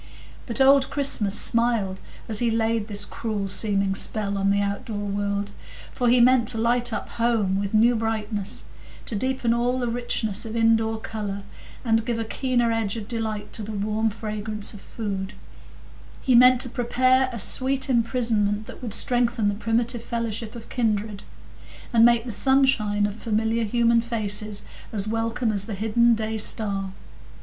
But old Christmas smiled as he laid this cruel seeming spell on the outdoor world, for he meant to light up home with new brightness, to deepen all the richness of indoor colour, and give a keener edge of delight to the warm fragrance of food; he meant to prepare a sweet imprisonment that would strengthen the primitive fellowship of kindred, and make the sunshine of familiar human faces as welcome as the hidden day star.